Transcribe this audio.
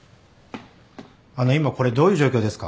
あの今これどういう状況ですか？